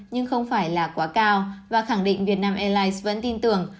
nhưng không phải là quá cao và khẳng định việt nam airlines vẫn tin tưởng